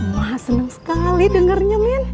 wah senang sekali dengarnya min